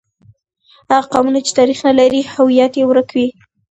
هغه قومونه چې تاریخ نه لري، هویت یې ورک وي.